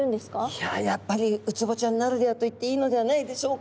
いややっぱりウツボちゃんならではと言っていいのではないでしょうか。